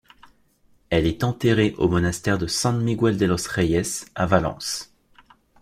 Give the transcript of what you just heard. Elle est enterrée au monastère de San Miguel de los Reyes, à Valence.